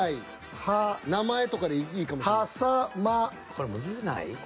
これむずない？